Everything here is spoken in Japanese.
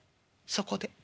そこで。